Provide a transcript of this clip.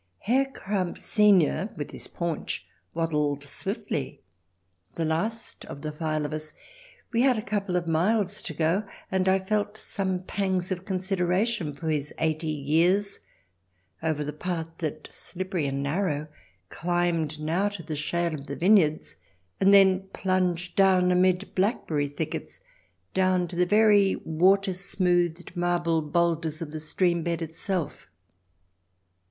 Herr Kramp senior, with his paunch, waddled swiftly — the last of the file of us. We had a couple of miles to go — and I felt some pangs of consideration for his eighty years — over the path that, slippery and narrow, climbed now to the shale of the vineyards, and then plunged down amid blackberry thickets, down to the very water smoothed marbled boulders of the stream bed itself.